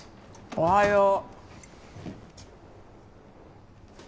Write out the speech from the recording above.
おはよう。